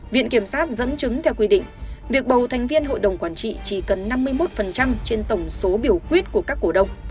viện kiểm sát dẫn chứng theo quy định việc bầu thành viên hội đồng quản trị chỉ cần năm mươi một trên tổng số biểu quyết của các cổ động